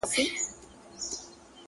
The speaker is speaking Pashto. کۀ تاته ياد سي پۀ خبرو بۀ مو شپه وهله,